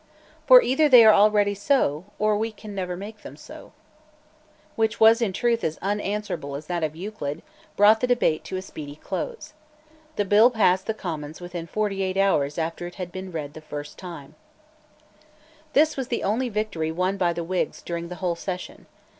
For either they already are so, or we never can make them so." This reasoning, which was in truth as unanswerable as that of Euclid, brought the debate to a speedy close. The bill passed the Commons within forty eight hours after it had been read the first time, This was the only victory won by the Whigs during the whole session.